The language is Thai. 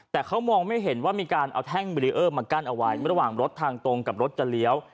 แต่เขามองไม่เห็นว่ามีการเอาแท่งเบรีเออร์มากั้นเอาไว้ระหว่างรถทางตรงกับรถจะเลี้ยว